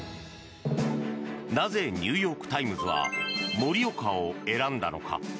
なぜ、ニューヨーク・タイムズは盛岡を選んだのか。